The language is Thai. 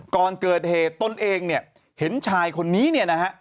ก่อนเกิดเหตุตนเองเนี่ยเห็นชายคนนี้เนี่ยนะฮะ